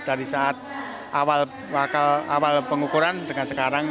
dari saat awal pengukuran dengan sekarang